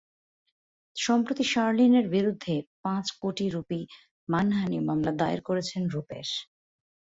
সম্প্রতি শার্লিনের বিরুদ্ধে পাঁচ কোটি রুপির মানহানির মামলা দায়ের করেছেন রূপেশ।